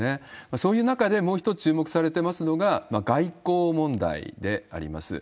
そういう中で、もう一つ注目されていますのは、外交問題であります。